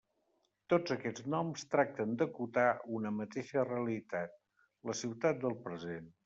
Tots aquests noms tracten d'acotar una mateixa realitat: la ciutat del present.